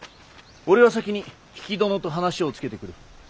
俺は先に比企殿と話をつけてくる。